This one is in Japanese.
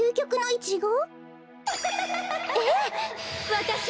わたし。